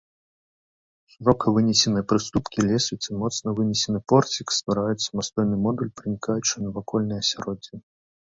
Шырока вынесеныя прыступкі лесвіцы, моцна вынесены порцік ствараюць самастойны модуль, пранікаючы ў навакольнае асяроддзе.